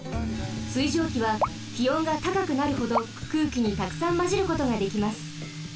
水蒸気はきおんがたかくなるほどくうきにたくさんまじることができます。